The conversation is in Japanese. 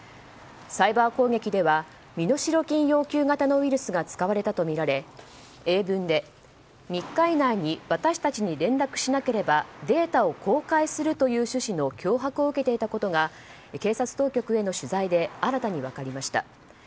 サイバー攻撃では身代金要求型のウイルスが使われたとみられ、英文で３日以内に私たちに連絡しなければデータを公開するという趣旨の脅迫を受けていたことが警察当局への取材で新たに分かりました。